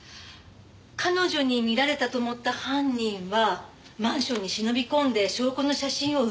彼女に見られたと思った犯人はマンションに忍び込んで証拠の写真を奪おうとした。